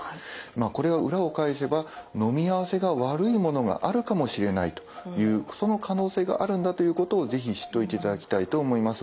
これは裏を返せばのみ合わせが悪いものがあるかもしれないというその可能性があるんだということを是非知っておいていただきたいと思います。